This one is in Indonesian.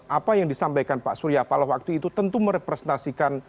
apa yang disampaikan pak surya paloh waktu itu tentu merepresentasikan